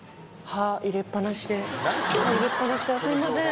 すいません